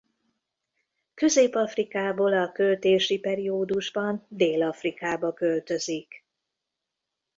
Közép-Afrikából a költési periódusban Dél-Afrikába költözik.